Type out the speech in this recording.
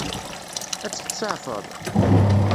Ad tt-tseɛfeḍ?